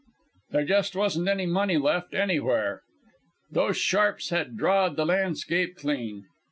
There just wasn't any money left anywhere. Those sharps had drawed the landscape clean.